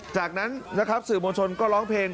จากนั้นนะครับสื่อมวลชนก็ร้องเพลง